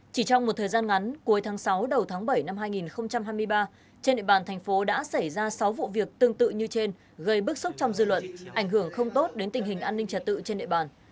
chỉ trong một thời gian ngắn cuối tháng sáu đầu tháng bảy năm hai nghìn hai mươi ba trên địa bàn thành phố đã xảy ra sáu vụ việc tương tự như trên gây bức xúc trong dư luận ảnh hưởng không tốt đến tình hình an ninh trật tự trên địa bàn